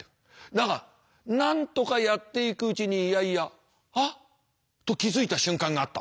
だがなんとかやっていくうちにいやいや「あっ」と気付いた瞬間があった。